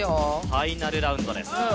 ファイナルラウンドです。